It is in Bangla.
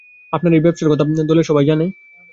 আপনার এই ব্যবসার কথা দলের সবাই জানে?